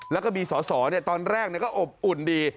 แล้วก็มีสอสอตอนแรกก็อบอุ่นดี